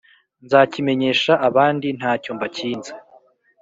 nzakimenyesha abandi nta cyo mbakinze,